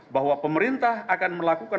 bahwa pemerintah akan melakukan